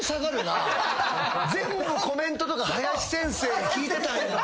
全部コメントとか林先生に聞いてたんや。